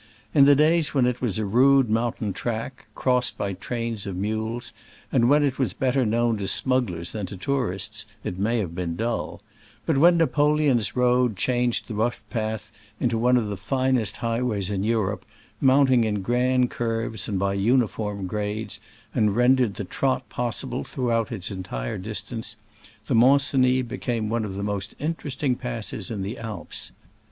In the days when it was a rude mountain track, crossed by trains of mules, and when it was better known to smugglers than to tourists, it may have been dull ; but when Napoleon's road changed the rough path into one 30 of the finest highways in Europe, mount ing in grand curves and by uniform grades, and rendered the trot possible throughout its entire distance, the Mont Cenis became one of the most interest ing passes in the Alps.